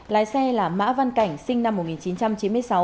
lái xe là mã văn cảnh sinh năm một nghìn chín trăm chín mươi sáu